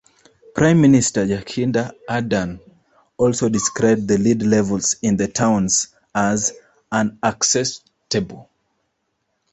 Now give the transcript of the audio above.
Prime Minister Jacinda Ardern also described the lead levels in the towns as "unacceptable".